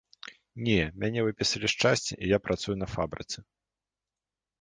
— Не, мяне выпісалі з часці, і я працую на фабрыцы.